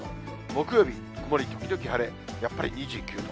木曜日、曇り時々晴れ、やっぱり２９度。